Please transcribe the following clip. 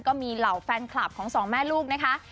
ก็มีเหล่าแฟนคลับของสองแม่ลูกนะคะ